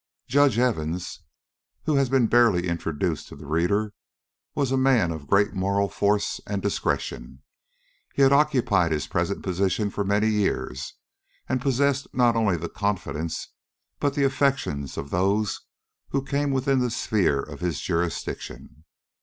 Judge Evans, who has been but barely introduced to the reader, was a man of great moral force and discretion. He had occupied his present position for many years, and possessed not only the confidence but the affections of those who came within the sphere of his jurisdiction.